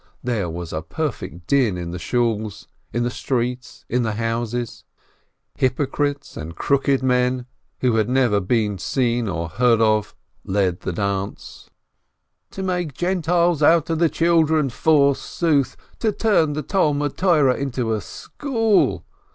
There was a perfect din in the Shools, in the streets, in the houses. Hypocrites and crooked men, who had never before been seen or heard of, led the dance. REB SHLOIMEH 335 "To make Gentiles out of the children, forsooth ! To turn the Talmud Torah into a school!